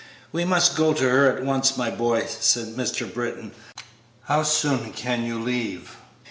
"We must go to her at once, my boy," said Mr. Britton; "how soon can you leave?"